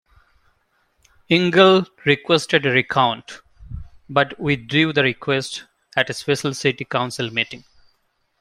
Ingles requested a recount, but withdrew the request at a special city council meeting.